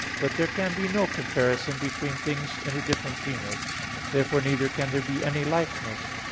But there can be no comparison between things in a different genus. Therefore neither can there be any likeness.